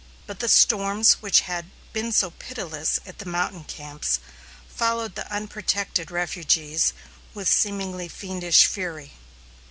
But the storms which had been so pitiless at the mountain camps followed the unprotected refugees with seemingly fiendish fury.